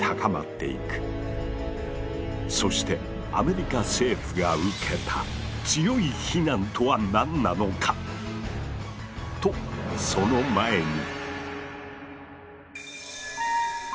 そしてアメリカ政府が受けた強い非難とは何なのか⁉とその前に。